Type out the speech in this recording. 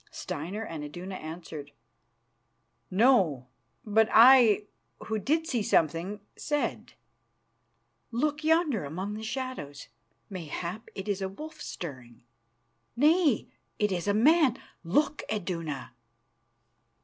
Steinar and Iduna answered, "No," but I, who did see something, said: "Look yonder among the shadows. Mayhap it is a wolf stirring. Nay, it is a man. Look, Iduna."